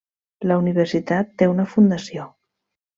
La universitat té una fundació.